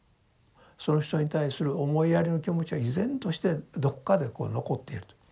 その人に対する思いやりの気持ちは依然としてどこかでこう残っていると。